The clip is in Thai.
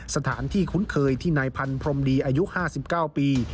สถานที่คุ้นเคยที่นายพันธมดีอายุ๕๙ปี